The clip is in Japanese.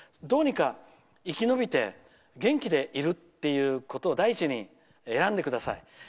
どうにか生き延びて元気でいるっていうことを第一に選んでください。